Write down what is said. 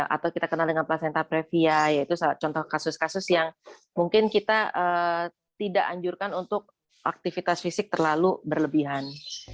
atau kita kenal dengan placenta previa yaitu contoh kasus kasus yang mungkin kita tidak anjurkan untuk aktivitas fisik terlalu berlebihan